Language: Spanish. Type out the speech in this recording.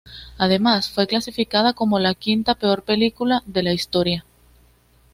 Además fue clasificada como la quinta peor película de la historia.